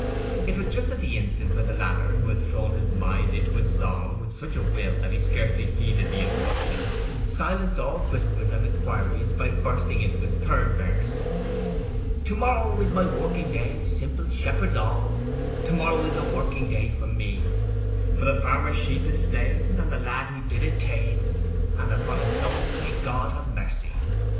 It was just at the instant when the latter, who had thrown his mind into his song with such a will that he scarcely heeded the interruption, silenced all whispers and inquiries by bursting into his third verse: To morrow is my working day, Simple shepherds all— To morrow is a working day for me: For the farmer's sheep is slain, and the lad who did it ta'en, And on his soul may God ha' merc y!